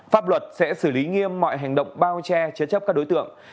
pháp luật sẽ xử lý nghiêm mọi hành động bao che chế chấp các đối tượng